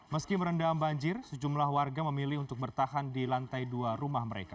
meski merendam banjir sejumlah warga memilih untuk bertahan di lantai dua rumah mereka